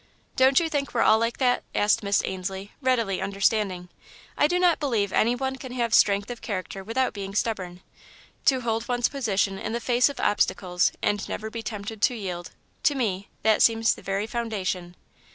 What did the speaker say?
"Don't you think we're all like that?" asked Miss Ainslie, readily understanding. "I do not believe any one can have strength of character without being stubborn. To hold one's position in the face of obstacles, and never be tempted to yield to me, that seems the very foundation."